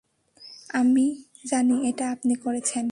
আমি জানি এটা আপনি করেছেন।